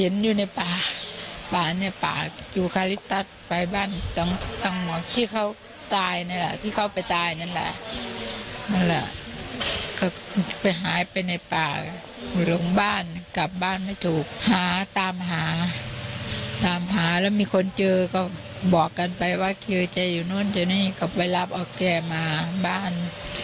โน้นจะนี่ก็ไปรับเอาแกมาบ้าน